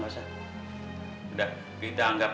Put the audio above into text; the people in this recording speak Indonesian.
udah kita anggap